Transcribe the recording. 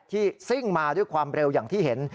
ซิ่งมาด้วยความเร็วอย่างที่เห็น